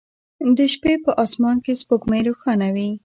د شپې په اسمان کې سپوږمۍ روښانه وي